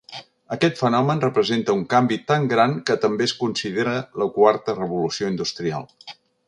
Aquest fenomen representa un canvi tan gran que també es considera la quarta revolució industrial.